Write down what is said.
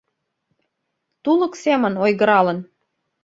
Тулык семын ойгыралын